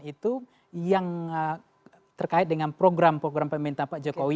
itu yang terkait dengan program program pemerintah pak jokowi